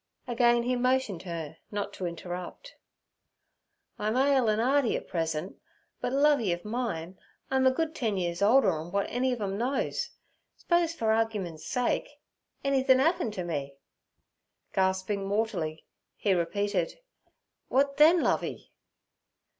Again he motioned her not to interrupt. 'I'm 'ale an' 'earty at present, but, Lovey ov mine, I'm a good ten 'ears older en w'at any ov 'em knows. S'pose, fer argimen's sake, anythin' 'appened t' me?' Gasping mortally, he repeated: 'W'at then, Lovey?'